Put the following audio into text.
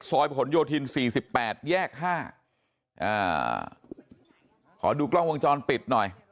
ซอยพะหลโยธินสี่สิบแปดแยกห้าอ่าขอดูกล้องวงจรปิดหน่อย